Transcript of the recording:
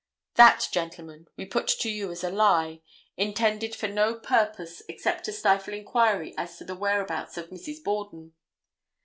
That, gentlemen, we put to you as a lie, intended for no purpose except to stifle inquiry as to the whereabouts of Mrs. Borden.